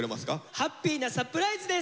「ハッピーサプライズ」です！